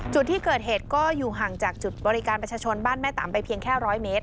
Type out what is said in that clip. จุดที่เกิดเหตุก็อยู่ห่างจากจุดบริการประชาชนบ้านแม่ต่ำไปเพียงแค่๑๐๐เมตร